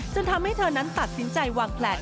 ทำให้เธอนั้นตัดสินใจวางแผน